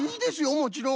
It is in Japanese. もちろん！